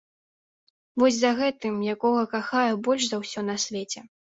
Вось за гэтым, якога кахаю больш за ўсё на свеце.